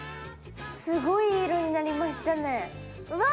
すごいいい色になりましたねうわ！